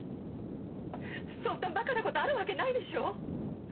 そんなバカなことあるわけないでしょう！